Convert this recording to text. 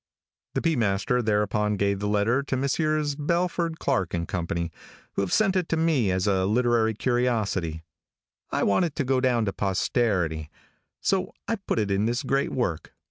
The P. Master thereupon gave the letter to Messrs. Belford, Clarke & Co., who have sent it to me as a literary curiosity. I want it to go down to posterity, so I put it in this great work.